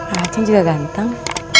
acing juga ganteng